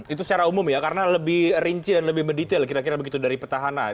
itu secara umum ya karena lebih rinci dan lebih mendetail kira kira begitu dari petahana